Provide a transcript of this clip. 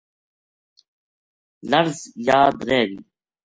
لڑز یاد رہ گی